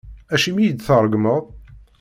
Acimi i yi-treggmeḍ?